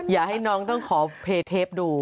อยากให้น้องต้องขอเพย์เทปดู